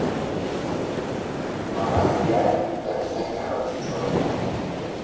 Marrazkiak hitzak bezain garrantzitsuak dira.